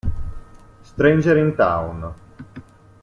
Stranger in Town